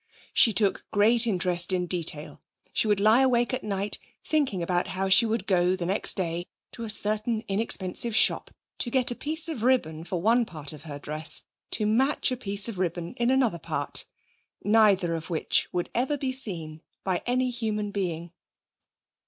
She took great interest in detail; she would lie awake at night thinking about how she would go the next day to a certain inexpensive shop to get a piece of ribbon for one part of her dress to match a piece of ribbon in another part neither of which would ever be seen by any human being.